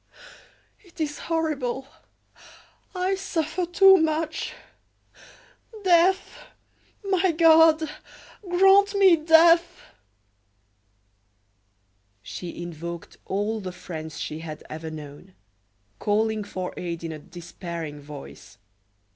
"Ah, it is horrible! I suffer too much! Death! My God! grant me death!" She invoked all the friends she had ever known, calling for aid in a despairing voice.